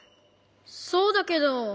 そうだけど。